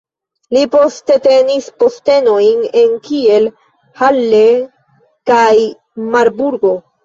Li poste tenis postenojn en Kiel, Halle kaj Marburgo.